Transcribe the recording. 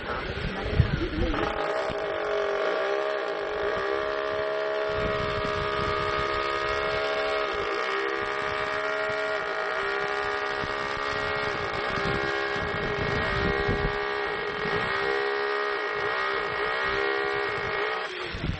สวัสดีครับ